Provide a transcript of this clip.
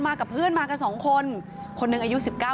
มากับเพื่อนมากันสองคนคนหนึ่งอายุสิบเก้า